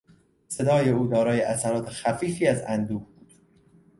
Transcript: صدای او دارای اثرات خفیفی از اندوه بود.